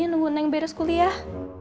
nunggu neng beres kuliah